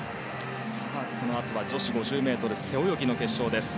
このあとは女子５０ｍ背泳ぎの決勝です。